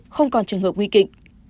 không còn trường hợp nguy kịch